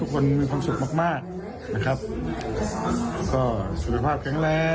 ครับสวัสดีปีใหม่ค่ะ